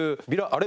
あれ？